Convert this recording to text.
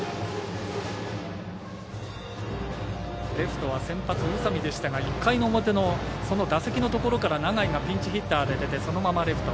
レフトは先発、宇佐美でしたが１回の表の打席のところから永井がピンチヒッターで出てレフト。